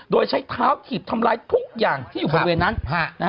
โดยใช้เท้าถีบทำร้ายทุกอย่างที่อยู่บริเวณนั้น